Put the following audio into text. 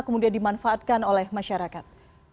kemudian dimanfaatkan oleh masyarakat